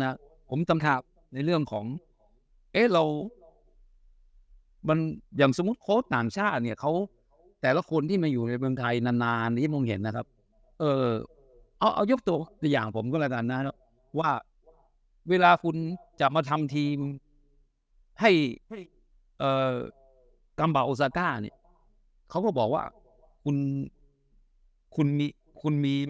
นะผมตำถามในเรื่องของเอ๊ะเรามันอย่างสมมุติโค้ชต่างชาติเนี่ยเขาแต่ละคนที่มาอยู่ในเมืองไทยนานนานอย่างที่ผมเห็นนะครับเอาเอายกตัวอย่างผมก็แล้วกันนะว่าเวลาคุณจะมาทำทีมให้ให้กัมบาโอซาก้าเนี่ยเขาก็บอกว่าคุณคุณมีคุณมี